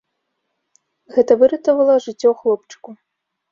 Гэта выратавала жыццё хлопчыку.